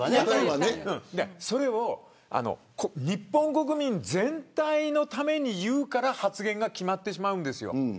日本国民全体のために言うから発言が決まってしまう。